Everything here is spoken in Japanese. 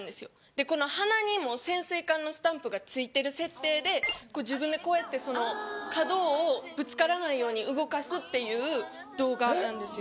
でこの鼻にも潜水艦のスタンプが付いてる設定で自分でこうやって角をぶつからないように動かすっていう動画なんですよ。